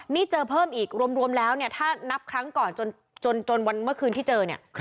นี่เจอเพิ่มอีกรวมแล้วเนี่ยถ้านับครั้งก่อนจนวันเมื่อคืนที่เจอเนี่ย